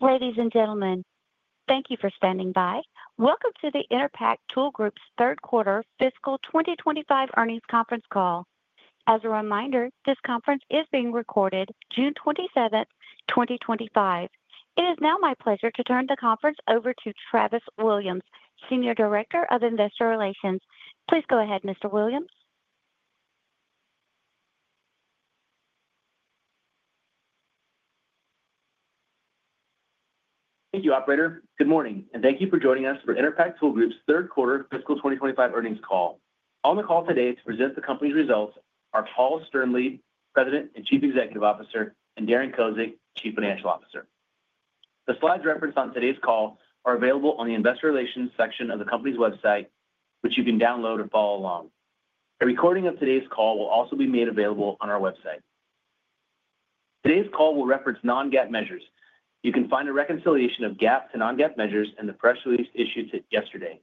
Ladies and gentlemen, thank you for standing by. Welcome to the Enerpac Tool Group's third quarter fiscal 2025 earnings conference call. As a reminder, this conference is being recorded June 27, 2025. It is now my pleasure to turn the conference over to Travis Williams, Senior Director of Investor Relations. Please go ahead, Mr. Williams. Thank you, operator. Good morning, and thank you for joining us for Enerpac Tool Group's third quarter fiscal 2025 earnings call. On the call today to present the company's results are Paul Sternlieb, President and Chief Executive Officer, and Darren Kozik, Chief Financial Officer. The slides referenced on today's call are available on the Investor Relations section of the company's website, which you can download or follow along. A recording of today's call will also be made available on our website. Today's call will reference non-GAAP measures. You can find a reconciliation of GAAP to non-GAAP measures in the press release issued yesterday.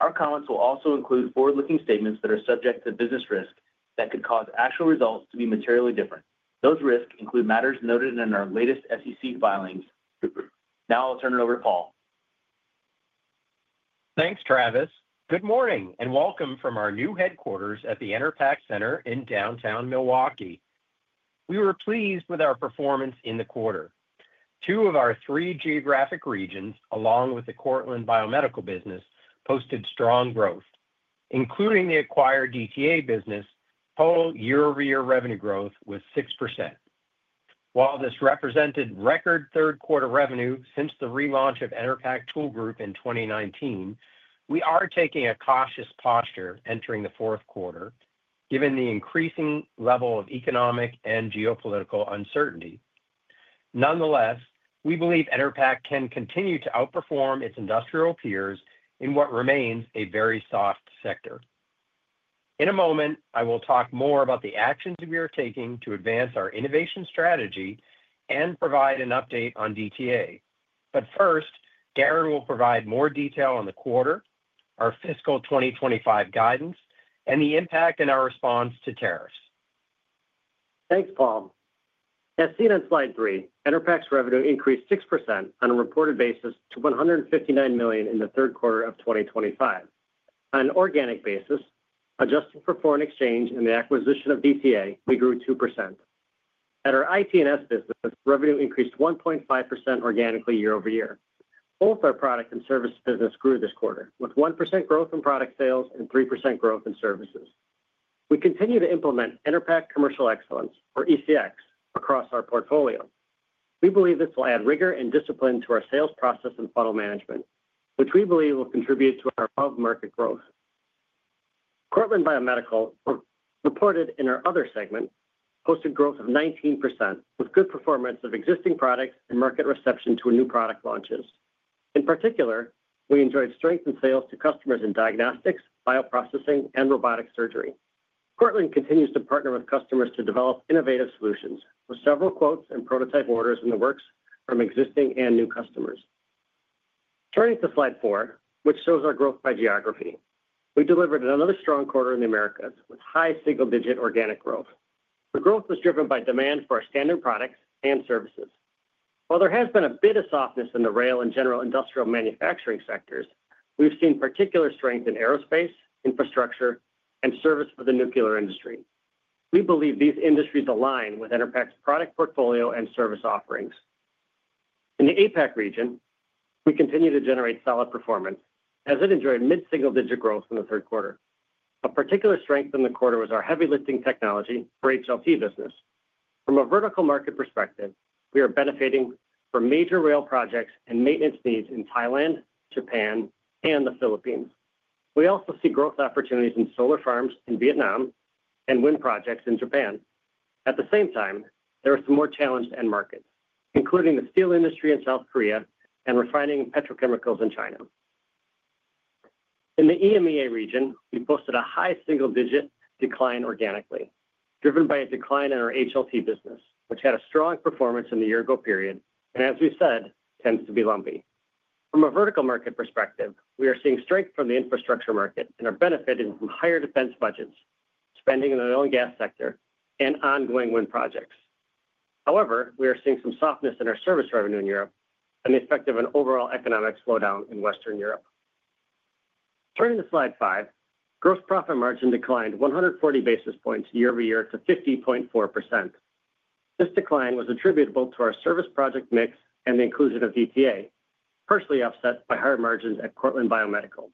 Our comments will also include forward-looking statements that are subject to business risk that could cause actual results to be materially different. Those risks include matters noted in our latest SEC filings. Now I'll turn it over to Paul. Thanks, Travis. Good morning and welcome from our new headquarters at the Enerpac Center in downtown Milwaukee. We were pleased with our performance in the quarter. Two of our three geographic regions, along with the Cortland Biomedical business, posted strong growth, including the acquired DTA business, total year-over-year revenue growth was 6%. While this represented record third quarter revenue since the relaunch of Enerpac Tool Group in 2019, we are taking a cautious posture entering the fourth quarter, given the increasing level of economic and geopolitical uncertainty. Nonetheless, we believe Enerpac can continue to outperform its industrial peers in what remains a very soft sector. In a moment, I will talk more about the actions we are taking to advance our innovation strategy and provide an update on DTA. First, Darren will provide more detail on the quarter, our fiscal 2025 guidance, and the impact in our response to tariffs. Thanks, Paul. As seen on slide three, Enerpac's revenue increased 6% on a reported basis to $159 million in the third quarter of 2025. On an organic basis, adjusting for foreign exchange and the acquisition of DTA, we grew 2%. At our IT and S business, revenue increased 1.5% organically year-over-year. Both our product and service business grew this quarter, with 1% growth in product sales and 3% growth in services. We continue to implement Enerpac Commercial Excellence, or ECX, across our portfolio. We believe this will add rigor and discipline to our sales process and funnel management, which we believe will contribute to our above-market growth. Cortland Biomedical reported in our other segment posted growth of 19%, with good performance of existing products and market reception to new product launches. In particular, we enjoyed strength in sales to customers in diagnostics, bioprocessing, and robotic surgery. Cortland continues to partner with customers to develop innovative solutions, with several quotes and prototype orders in the works from existing and new customers. Turning to slide four, which shows our growth by geography, we delivered another strong quarter in the Americas with high single-digit organic growth. The growth was driven by demand for our standard products and services. While there has been a bit of softness in the rail and general industrial manufacturing sectors, we've seen particular strength in aerospace, infrastructure, and service for the nuclear industry. We believe these industries align with Enerpac's product portfolio and service offerings. In the APAC region, we continue to generate solid performance, as it enjoyed mid-single-digit growth in the third quarter. A particular strength in the quarter was our heavy lifting technology for HLT business. From a vertical market perspective, we are benefiting from major rail projects and maintenance needs in Thailand, Japan, and the Philippines. We also see growth opportunities in solar farms in Vietnam and wind projects in Japan. At the same time, there are some more challenged end markets, including the steel industry in South Korea and refining and petrochemicals in China. In the EMEA region, we posted a high single-digit decline organically, driven by a decline in our HLT business, which had a strong performance in the year-ago period and, as we said, tends to be lumpy. From a vertical market perspective, we are seeing strength from the infrastructure market and are benefiting from higher defense budgets, spending in the oil and gas sector, and ongoing wind projects. However, we are seeing some softness in our service revenue in Europe and the effect of an overall economic slowdown in Western Europe. Turning to slide five, gross profit margin declined 140 basis points year-over-year to 50.4%. This decline was attributable to our service project mix and the inclusion of DTA, partially offset by higher margins at Cortland Biomedical.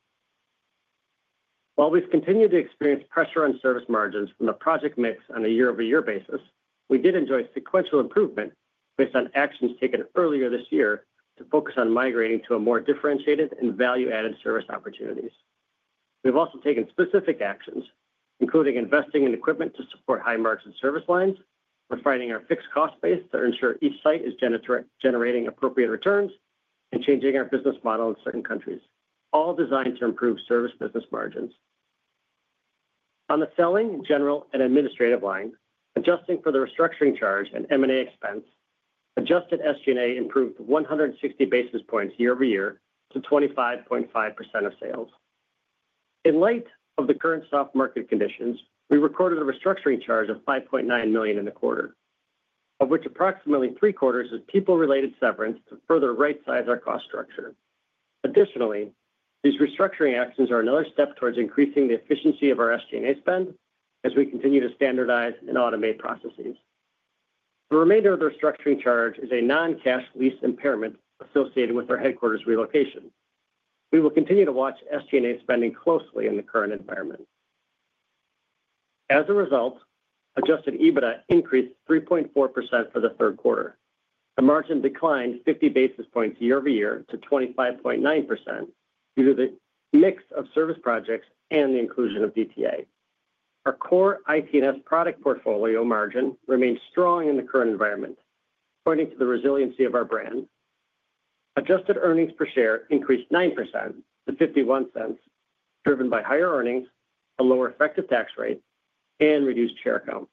While we've continued to experience pressure on service margins from the project mix on a year-over-year basis, we did enjoy sequential improvement based on actions taken earlier this year to focus on migrating to more differentiated and value-added service opportunities. We've also taken specific actions, including investing in equipment to support high-margin service lines, refining our fixed cost base to ensure each site is generating appropriate returns, and changing our business model in certain countries, all designed to improve service business margins. On the selling, general, and administrative line, adjusting for the restructuring charge and M&A expense, adjusted SG&A improved 160 basis points year-over-year to 25.5% of sales. In light of the current soft market conditions, we recorded a restructuring charge of $5.9 million in the quarter, of which approximately three-quarters is people-related severance to further right-size our cost structure. Additionally, these restructuring actions are another step towards increasing the efficiency of our SG&A spend as we continue to standardize and automate processes. The remainder of the restructuring charge is a non-cash lease impairment associated with our headquarters relocation. We will continue to watch SG&A spending closely in the current environment. As a result, adjusted EBITDA increased 3.4% for the third quarter. The margin declined 50 basis points year-over-year to 25.9% due to the mix of service projects and the inclusion of DTA. Our core IT&S product portfolio margin remains strong in the current environment, pointing to the resiliency of our brand. Adjusted earnings per share increased 9% to $0.51, driven by higher earnings, a lower effective tax rate, and reduced share count.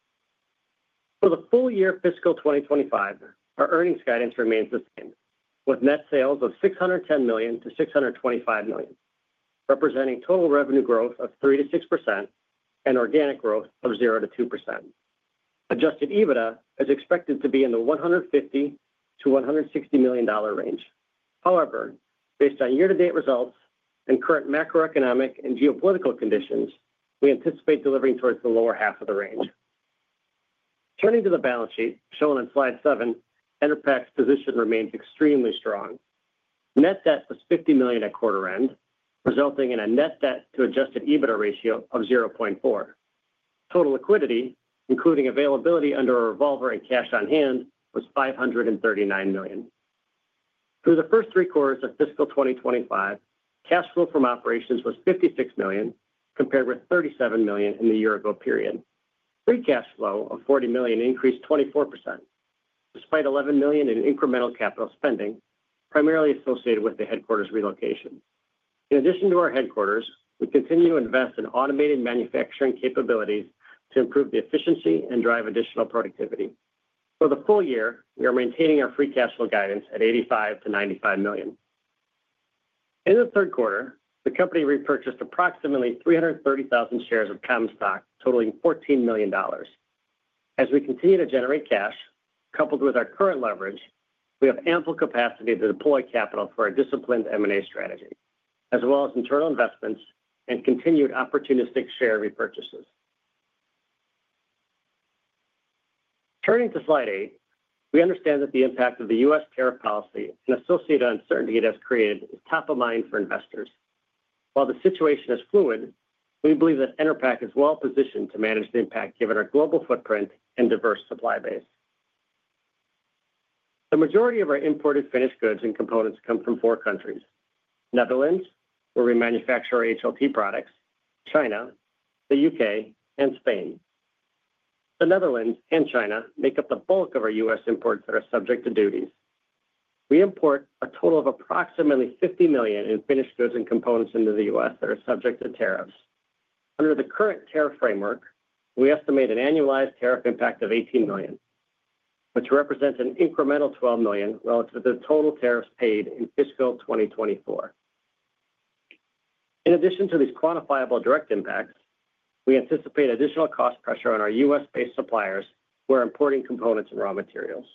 For the full year fiscal 2025, our earnings guidance remains the same, with net sales of $610 million-$625 million, representing total revenue growth of 3%-6% and organic growth of 0%-2%. Adjusted EBITDA is expected to be in the $150 million-$160 million range. However, based on year-to-date results and current macroeconomic and geopolitical conditions, we anticipate delivering towards the lower half of the range. Turning to the balance sheet shown on slide seven, Enerpac Tool Group's position remains extremely strong. Net debt was $50 million at quarter end, resulting in a net debt to adjusted EBITDA ratio of 0.4. Total liquidity, including availability under a revolver and cash on hand, was $539 million. Through the first three quarters of fiscal 2025, cash flow from operations was $56 million, compared with $37 million in the year-ago period. Free cash flow of $40 million increased 24%, despite $11 million in incremental capital spending, primarily associated with the headquarters relocation. In addition to our headquarters, we continue to invest in automated manufacturing capabilities to improve the efficiency and drive additional productivity. For the full year, we are maintaining our free cash flow guidance at $85 million-$95 million. In the third quarter, the company repurchased approximately 330,000 shares of common stock, totaling $14 million. As we continue to generate cash, coupled with our current leverage, we have ample capacity to deploy capital for a disciplined M&A strategy, as well as internal investments and continued opportunistic share repurchases. Turning to slide eight, we understand that the impact of the U.S. Tariff policy and associated uncertainty it has created is top of mind for investors. While the situation is fluid, we believe that Enerpac is well positioned to manage the impact given our global footprint and diverse supply base. The majority of our imported finished goods and components come from four countries: the Netherlands, where we manufacture our HLT products; China, the U.K., and Spain. The Netherlands and China make up the bulk of our U.S. imports that are subject to duties. We import a total of approximately $50 million in finished goods and components into the U.S. that are subject to tariffs. Under the current tariff framework, we estimate an annualized tariff impact of $18 million, which represents an incremental $12 million relative to the total tariffs paid in fiscal 2024. In addition to these quantifiable direct impacts, we anticipate additional cost pressure on our U.S.-based suppliers who are importing components and raw materials.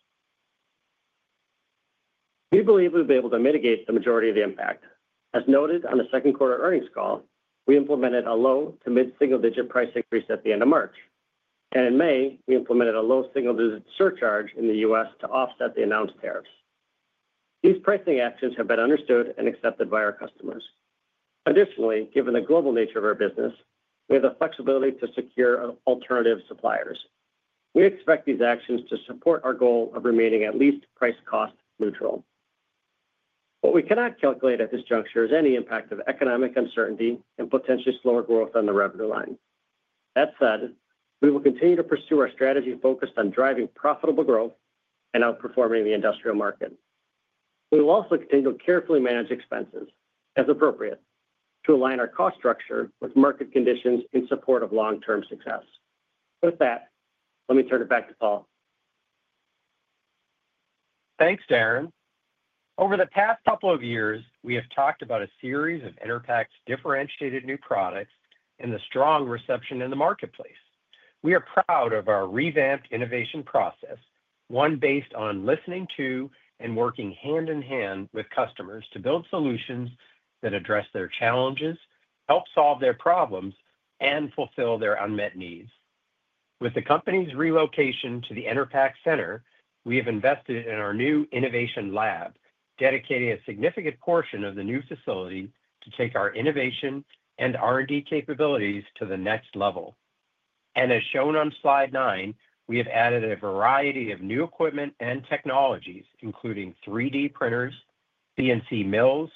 We believe we'll be able to mitigate the majority of the impact. As noted on the second quarter earnings call, we implemented a low to mid-single-digit price increase at the end of March. In May, we implemented a low single-digit surcharge in the U.S. to offset the announced tariffs. These pricing actions have been understood and accepted by our customers. Additionally, given the global nature of our business, we have the flexibility to secure alternative suppliers. We expect these actions to support our goal of remaining at least price-cost neutral. What we cannot calculate at this juncture is any impact of economic uncertainty and potentially slower growth on the revenue line. That said, we will continue to pursue our strategy focused on driving profitable growth and outperforming the industrial market. We will also continue to carefully manage expenses, as appropriate, to align our cost structure with market conditions in support of long-term success. With that, let me turn it back to Paul. Thanks, Darren. Over the past couple of years, we have talked about a series of Enerpac's differentiated new products and the strong reception in the marketplace. We are proud of our revamped innovation process, one based on listening to and working hand in hand with customers to build solutions that address their challenges, help solve their problems, and fulfill their unmet needs. With the company's relocation to the Enerpac Center, we have invested in our new innovation lab, dedicating a significant portion of the new facility to take our innovation and R&D capabilities to the next level. As shown on slide nine, we have added a variety of new equipment and technologies, including 3D printers, CNC mills,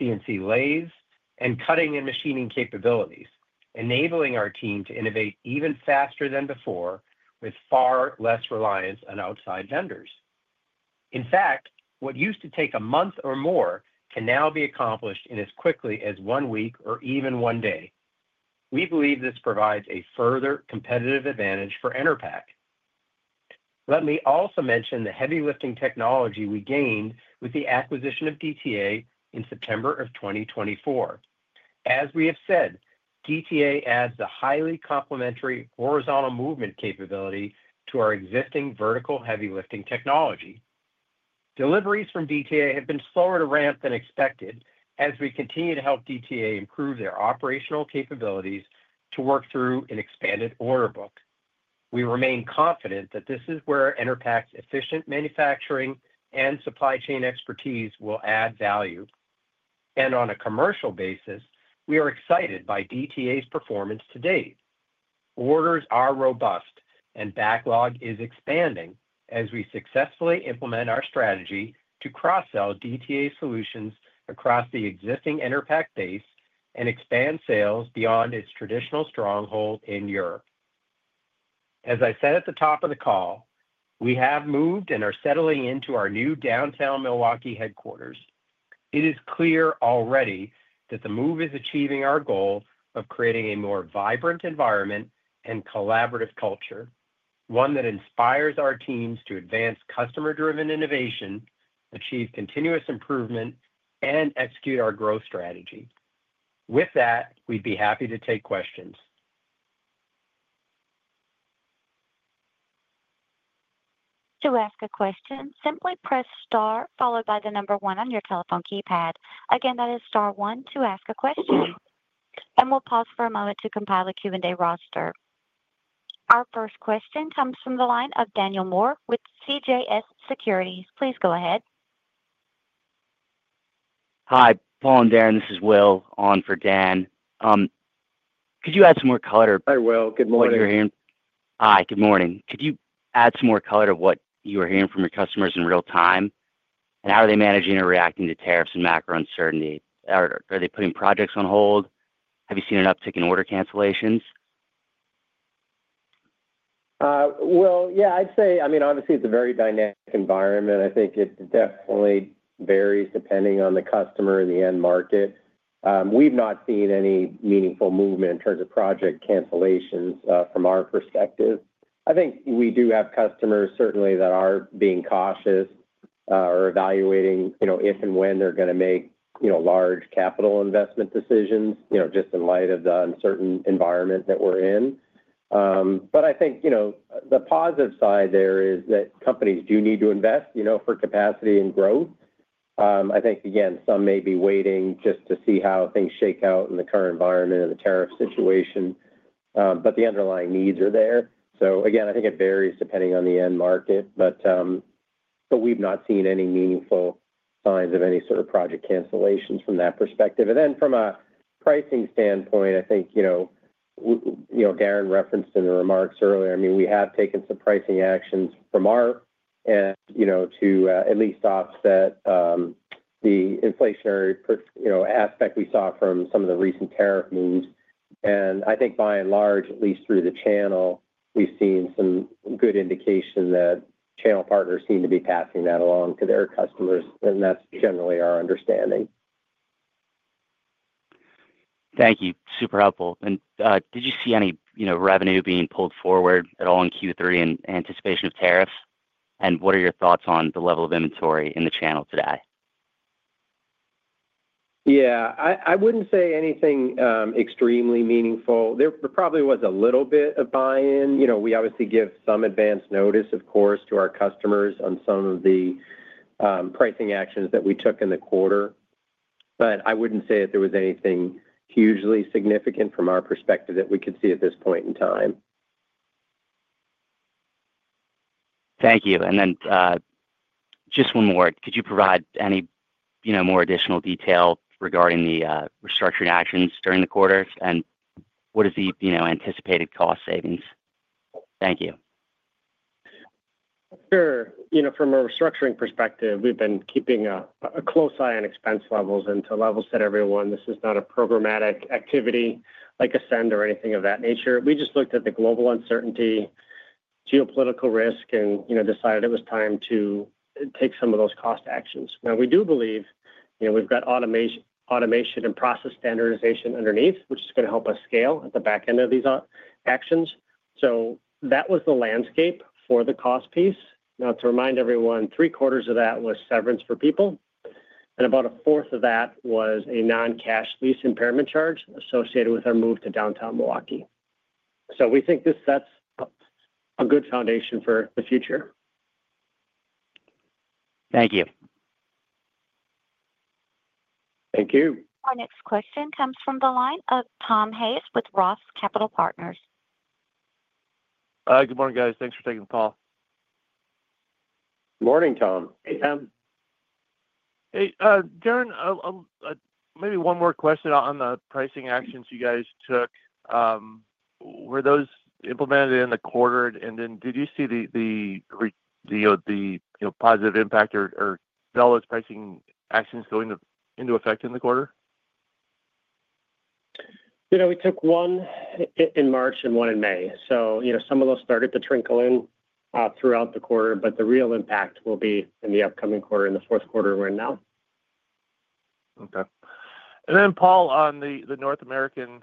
CNC lathes, and cutting and machining capabilities, enabling our team to innovate even faster than before with far less reliance on outside vendors. In fact, what used to take a month or more can now be accomplished in as quickly as one week or even one day. We believe this provides a further competitive advantage for Enerpac. Let me also mention the heavy lifting technology we gained with the acquisition of DTA in September of 2024. As we have said, DTA adds a highly complementary horizontal movement capability to our existing vertical heavy lifting technology. Deliveries from DTA have been slower to ramp than expected as we continue to help DTA improve their operational capabilities to work through an expanded order book. We remain confident that this is where Enerpac's efficient manufacturing and supply chain expertise will add value. On a commercial basis, we are excited by DTA's performance to date. Orders are robust, and backlog is expanding as we successfully implement our strategy to cross-sell DTA solutions across the existing Enerpac base and expand sales beyond its traditional stronghold in Europe. As I said at the top of the call, we have moved and are settling into our new downtown Milwaukee headquarters. It is clear already that the move is achieving our goal of creating a more vibrant environment and collaborative culture, one that inspires our teams to advance customer-driven innovation, achieve continuous improvement, and execute our growth strategy. With that, we'd be happy to take questions. To ask a question, simply press star, followed by the number one on your telephone keypad. Again, that is star one to ask a question. We'll pause for a moment to compile a Q&A roster. Our first question comes from the line of Daniel Moore with CJS Securities. Please go ahead. Hi, Paul and Darren. This is Will on for Dan. Could you add some more color? Hi, Will. Good morning. Hi, good morning. Could you add some more color to what you are hearing from your customers in real time? And how are they managing or reacting to tariffs and macro uncertainty? Are they putting projects on hold? Have you seen an uptick in order cancellations? Yeah, I'd say, I mean, obviously, it's a very dynamic environment. I think it definitely varies depending on the customer and the end market. We've not seen any meaningful movement in terms of project cancellations from our perspective. I think we do have customers, certainly, that are being cautious or evaluating if and when they're going to make large capital investment decisions just in light of the uncertain environment that we're in. I think the positive side there is that companies do need to invest for capacity and growth. I think, again, some may be waiting just to see how things shake out in the current environment and the tariff situation, but the underlying needs are there. Again, I think it varies depending on the end market, but we've not seen any meaningful signs of any sort of project cancellations from that perspective. From a pricing standpoint, I think Darren referenced in the remarks earlier, I mean, we have taken some pricing actions from our end to at least offset the inflationary aspect we saw from some of the recent tariff moves. I think by and large, at least through the channel, we've seen some good indication that channel partners seem to be passing that along to their customers. That's generally our understanding. Thank you. Super helpful. Did you see any revenue being pulled forward at all in Q3 in anticipation of tariffs? What are your thoughts on the level of inventory in the channel today? Yeah, I wouldn't say anything extremely meaningful. There probably was a little bit of buy-in. We obviously give some advance notice, of course, to our customers on some of the pricing actions that we took in the quarter. I wouldn't say that there was anything hugely significant from our perspective that we could see at this point in time. Thank you. Just one more word. Could you provide any more additional detail regarding the restructuring actions during the quarter? What is the anticipated cost savings? Thank you. Sure. From a restructuring perspective, we have been keeping a close eye on expense levels and to levels that everyone, this is not a programmatic activity like Ascend or anything of that nature. We just looked at the global uncertainty, geopolitical risk, and decided it was time to take some of those cost actions. Now, we do believe we have got automation and process standardization underneath, which is going to help us scale at the back end of these actions. That was the landscape for the cost piece. To remind everyone, three-quarters of that was severance for people. About a fourth of that was a non-cash lease impairment charge associated with our move to downtown Milwaukee. We think this sets a good foundation for the future. Thank you. Thank you. Our next question comes from the line of Tom Hayes with Roth Capital Partners. Good morning, guys. Thanks for taking the call. Morning, Tom. Hey, Tom. Hey, Darren, maybe one more question on the pricing actions you guys took. Were those implemented in the quarter? Did you see the positive impact or valid pricing actions going into effect in the quarter? We took one in March and one in May. Some of those started to trickle in throughout the quarter, but the real impact will be in the upcoming quarter, in the fourth quarter we are in now. Okay. And then, Paul, on the North American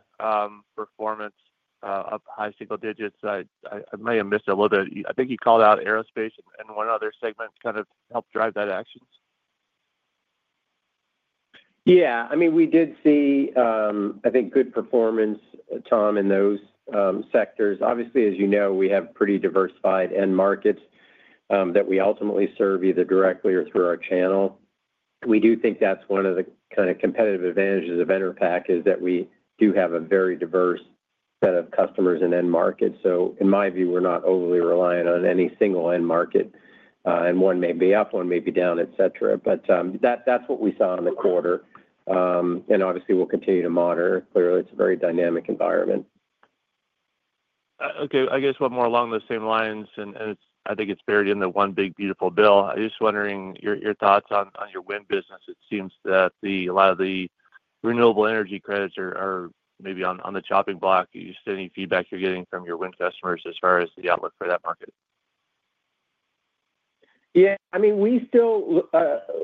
performance of high single digits, I may have missed a little bit. I think you called out aerospace and one other segment kind of helped drive that action. Yeah. I mean, we did see, I think, good performance, Tom, in those sectors. Obviously, as you know, we have pretty diversified end markets that we ultimately serve either directly or through our channel. We do think that's one of the kind of competitive advantages of Enerpac is that we do have a very diverse set of customers and end markets. In my view, we're not overly reliant on any single end market. One may be up, one may be down, etc. That's what we saw in the quarter. Obviously, we'll continue to monitor. Clearly, it's a very dynamic environment. Okay. I guess one more along those same lines, and I think it's buried in the One Big Beautiful Bill. I'm just wondering your thoughts on your wind business. It seems that a lot of the renewable energy credits are maybe on the chopping block. Just any feedback you're getting from your wind customers as far as the outlook for that market? Yeah. I mean, we still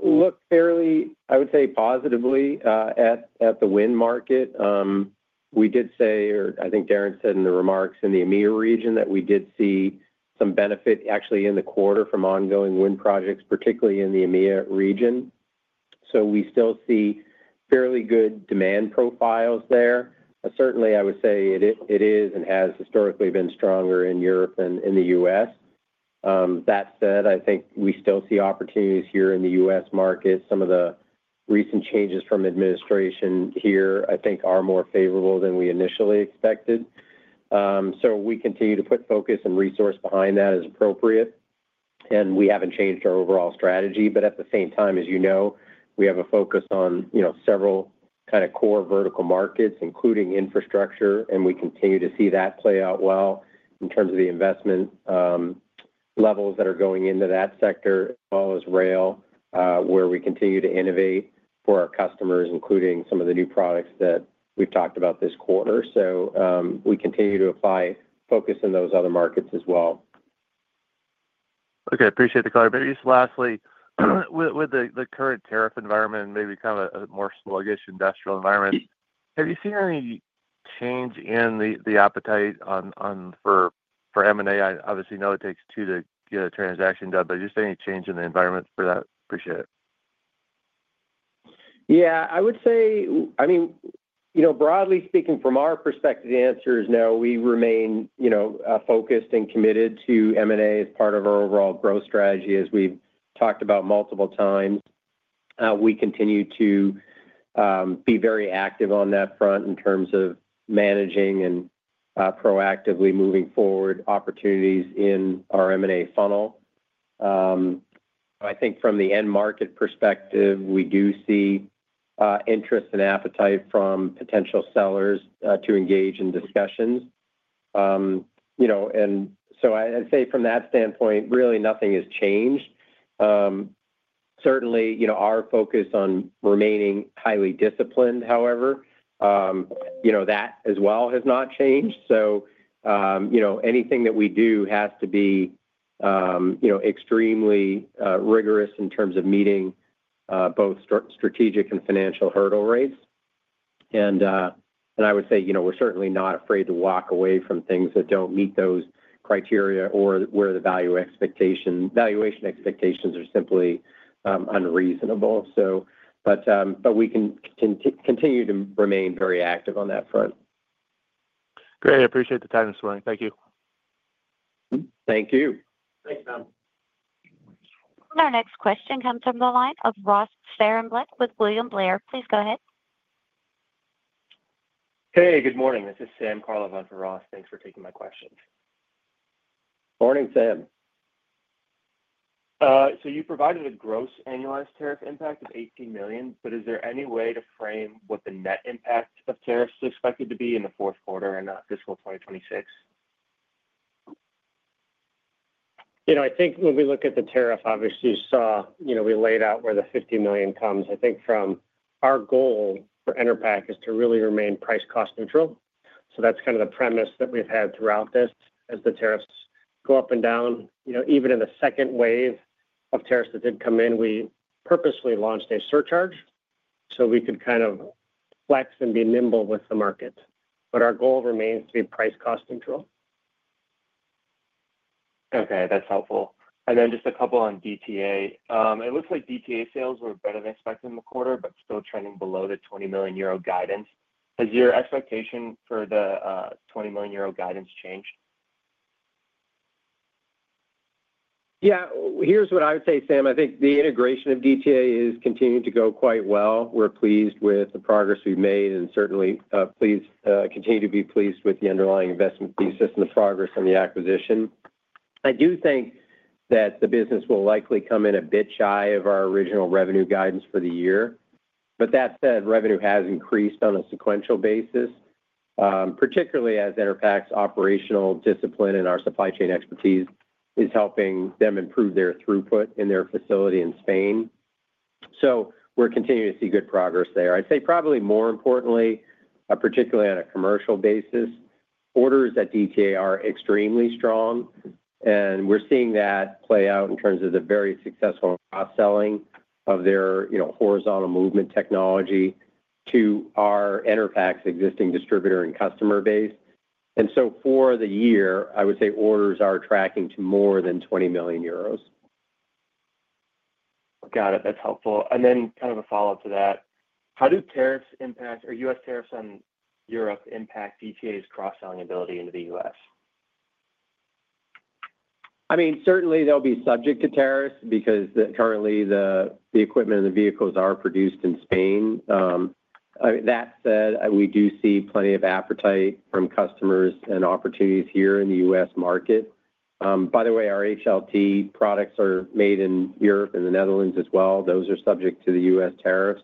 look fairly, I would say, positively at the wind market. We did say, or I think Darren said in the remarks in the EMEA region, that we did see some benefit actually in the quarter from ongoing wind projects, particularly in the EMEA region. We still see fairly good demand profiles there. Certainly, I would say it is and has historically been stronger in Europe than in the U.S. That said, I think we still see opportunities here in the U.S. market. Some of the recent changes from administration here, I think, are more favorable than we initially expected. We continue to put focus and resource behind that as appropriate. We have not changed our overall strategy. At the same time, as you know, we have a focus on several kind of core vertical markets, including infrastructure. We continue to see that play out well in terms of the investment levels that are going into that sector, as well as rail, where we continue to innovate for our customers, including some of the new products that we've talked about this quarter. We continue to apply focus in those other markets as well. Okay. Appreciate the color. Lastly, with the current tariff environment and maybe kind of a more sluggish industrial environment, have you seen any change in the appetite for M&A? I obviously know it takes two to get a transaction done, but just any change in the environment for that? Appreciate it. Yeah. I would say, I mean, broadly speaking, from our perspective, the answer is no. We remain focused and committed to M&A as part of our overall growth strategy, as we've talked about multiple times. We continue to be very active on that front in terms of managing and proactively moving forward opportunities in our M&A funnel. I think from the end market perspective, we do see interest and appetite from potential sellers to engage in discussions. I would say from that standpoint, really nothing has changed. Certainly, our focus on remaining highly disciplined, however, that as well has not changed. Anything that we do has to be extremely rigorous in terms of meeting both strategic and financial hurdle rates. I would say we're certainly not afraid to walk away from things that don't meet those criteria or where the valuation expectations are simply unreasonable. We can continue to remain very active on that front. Great. I appreciate the time this morning. Thank you. Thank you. Our next question comes from the line of Ross Sparenblek with William Blair. Please go ahead. Hey, good morning. This is Sam calling in for Ross. Thanks for taking my questions. Morning, Sam. You provided a gross annualized tariff impact of $18 million. Is there any way to frame what the net impact of tariffs is expected to be in the fourth quarter and fiscal 2026? I think when we look at the tariff, obviously, we laid out where the $50 million comes. I think from our goal for Enerpac Tool Group is to really remain price-cost neutral. So that's kind of the premise that we've had throughout this. As the tariffs go up and down, even in the second wave of tariffs that did come in, we purposely launched a surcharge so we could kind of flex and be nimble with the market. But our goal remains to be price-cost neutral. Okay. That's helpful. Just a couple on DTA. It looks like DTA sales were better than expected in the quarter, but still trending below the 20 million euro guidance. Has your expectation for the 20 million euro guidance changed? Yeah. Here's what I would say, Sam. I think the integration of DTA is continuing to go quite well. We're pleased with the progress we've made and certainly continue to be pleased with the underlying investment thesis and the progress on the acquisition. I do think that the business will likely come in a bit shy of our original revenue guidance for the year. That said, revenue has increased on a sequential basis, particularly as Enerpac's operational discipline and our supply chain expertise is helping them improve their throughput in their facility in Spain. We're continuing to see good progress there. I'd say probably more importantly, particularly on a commercial basis, orders at DTA are extremely strong. We're seeing that play out in terms of the very successful cross-selling of their horizontal movement technology to our Enerpac's existing distributor and customer base. For the year, I would say orders are tracking to more than 20 million euros. Got it. That's helpful. Kind of a follow-up to that, how do tariffs impact or U.S. tariffs on Europe impact DTA's cross-selling ability into the U.S.? I mean, certainly, they'll be subject to tariffs because currently, the equipment and the vehicles are produced in Spain. That said, we do see plenty of appetite from customers and opportunities here in the U.S. market. By the way, our HLT products are made in Europe and the Netherlands as well. Those are subject to the U.S. tariffs.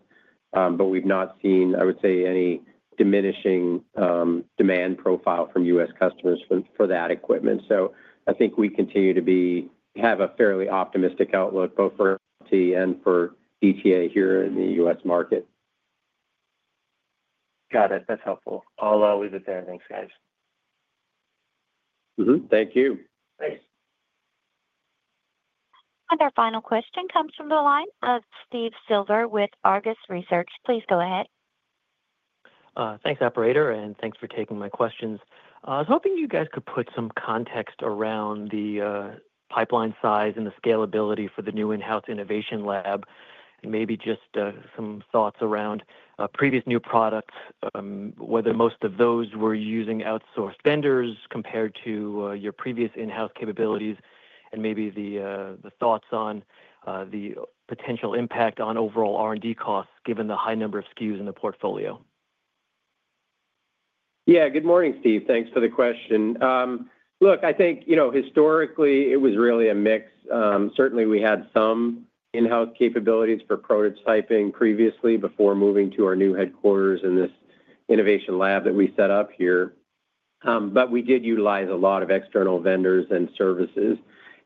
We have not seen, I would say, any diminishing demand profile from U.S. customers for that equipment. I think we continue to have a fairly optimistic outlook both for Enerpac and for DTA here in the U.S. market. Got it. That's helpful. I'll leave it there. Thanks, guys. Thank you. Thanks. Our final question comes from the line of Steve Silver with Argus Research. Please go ahead. Thanks, operator. Thanks for taking my questions. I was hoping you guys could put some context around the pipeline size and the scalability for the new in-house innovation lab, and maybe just some thoughts around previous new products, whether most of those were using outsourced vendors compared to your previous in-house capabilities, and maybe the thoughts on the potential impact on overall R&D costs given the high number of SKUs in the portfolio. Yeah. Good morning, Steve. Thanks for the question. Look, I think historically, it was really a mix. Certainly, we had some in-house capabilities for prototyping previously before moving to our new headquarters and this innovation lab that we set up here. We did utilize a lot of external vendors and services.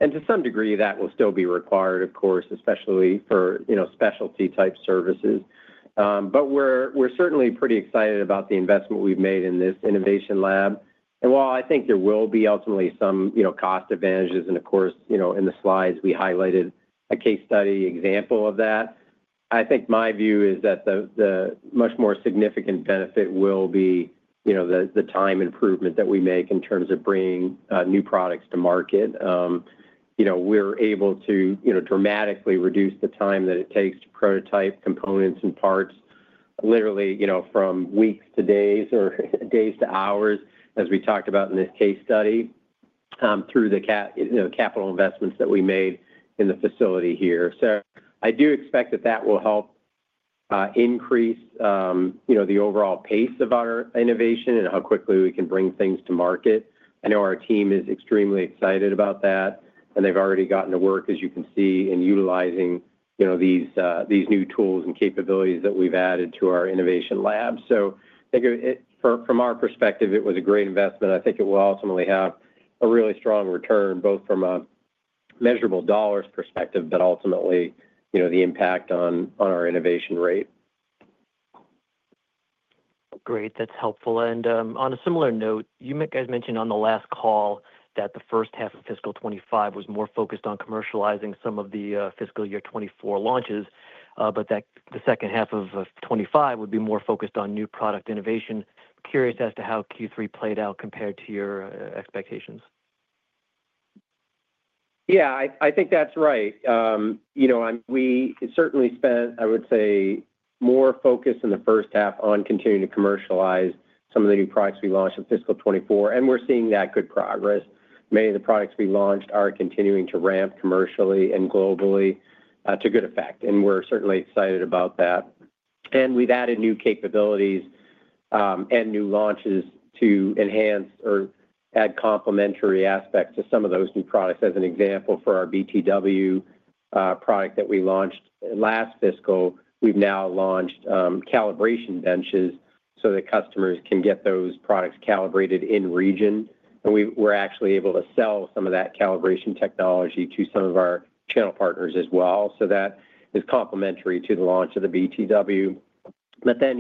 To some degree, that will still be required, of course, especially for specialty-type services. We are certainly pretty excited about the investment we have made in this innovation lab. While I think there will be ultimately some cost advantages, and of course, in the slides, we highlighted a case study example of that, I think my view is that the much more significant benefit will be the time improvement that we make in terms of bringing new products to market. We're able to dramatically reduce the time that it takes to prototype components and parts, literally from weeks to days or days to hours, as we talked about in this case study, through the capital investments that we made in the facility here. I do expect that that will help increase the overall pace of our innovation and how quickly we can bring things to market. I know our team is extremely excited about that. They've already gotten to work, as you can see, in utilizing these new tools and capabilities that we've added to our innovation lab. From our perspective, it was a great investment. I think it will ultimately have a really strong return both from a measurable dollars perspective, but ultimately, the impact on our innovation rate. Great. That's helpful. On a similar note, you guys mentioned on the last call that the first half of fiscal 2025 was more focused on commercializing some of the fiscal year 2024 launches, but that the second half of 2025 would be more focused on new product innovation. Curious as to how Q3 played out compared to your expectations. Yeah. I think that's right. We certainly spent, I would say, more focus in the first half on continuing to commercialize some of the new products we launched in fiscal 2024. We're seeing that good progress. Many of the products we launched are continuing to ramp commercially and globally to good effect. We're certainly excited about that. We've added new capabilities and new launches to enhance or add complementary aspects to some of those new products. As an example, for our BTW product that we launched last fiscal, we've now launched calibration benches so that customers can get those products calibrated in region. We're actually able to sell some of that calibration technology to some of our channel partners as well. That is complementary to the launch of the BTW.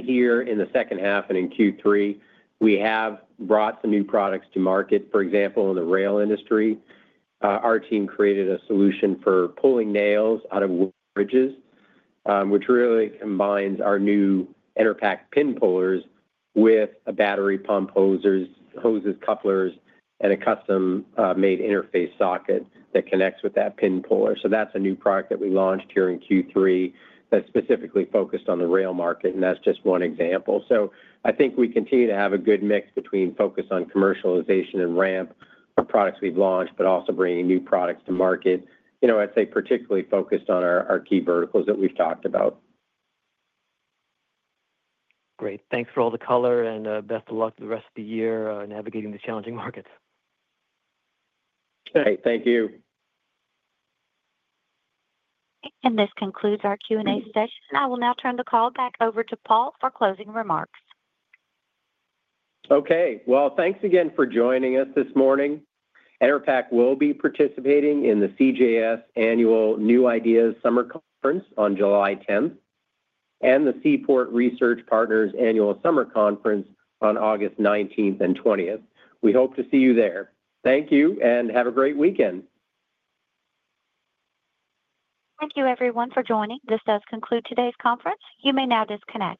Here in the second half and in Q3, we have brought some new products to market. For example, in the rail industry, our team created a solution for pulling nails out of wood bridges, which really combines our new Enerpac pin pullers with battery pump hoses, couplers, and a custom-made interface socket that connects with that pin puller. That is a new product that we launched here in Q3 that is specifically focused on the rail market. That is just one example. I think we continue to have a good mix between focus on commercialization and ramp our products we have launched, but also bringing new products to market. I would say particularly focused on our key verticals that we have talked about. Great. Thanks for all the color and best of luck to the rest of the year navigating these challenging markets. All right. Thank you. This concludes our Q&A session. I will now turn the call back over to Paul for closing remarks. Okay. Thanks again for joining us this morning. Enerpac Tool Group will be participating in the CJS Annual New Ideas Summer Conference on July 10 and the Seaport Research Partners Annual Summer Conference on August 19th and 20th. We hope to see you there. Thank you and have a great weekend. Thank you, everyone, for joining. This does conclude today's conference. You may now disconnect.